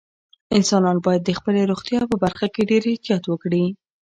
انسانان باید د خپلې روغتیا په برخه کې ډېر احتیاط وکړي.